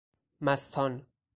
مستان